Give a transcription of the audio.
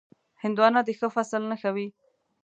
هندوانه د ښه فصل نښه وي.